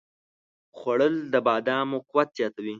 خوړل د بادامو قوت زیاتوي